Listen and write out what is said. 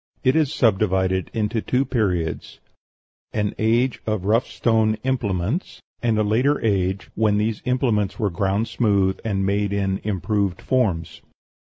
It is subdivided into two periods: an age of rough stone implements; and a later age, when these implements were ground smooth and made in improved forms.